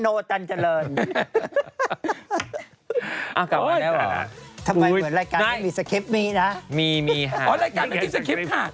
อ๋อรายการนั้นก็มีสคริปต์ค่ะ